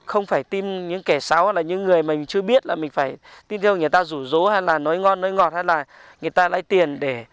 không phải tin những kẻ xáo hay là những người mình chưa biết là mình phải tin theo người ta rủ rố hay là nói ngon nói ngọt hay là người ta lấy tiền để rủ rố mình